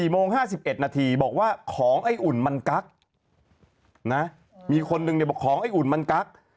โมง๕๑นาทีบอกว่าของไอ้อุ่นมันกักนะมีคนนึงเนี่ยบอกของไอ้อุ่นมันกัก